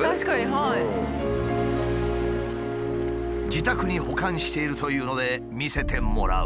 自宅に保管しているというので見せてもらう。